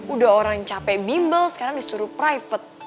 udah orang yang capek bimbel sekarang disuruh private